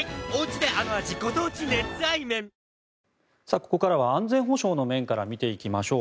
ここからは安全保障の面から見ていきましょう。